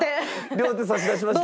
両手差し出しました？